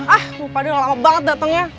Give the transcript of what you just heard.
ah bupadi lama banget dateng ya